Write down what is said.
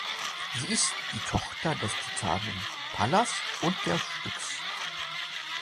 Sie ist die Tochter des Titanen Pallas und der Styx.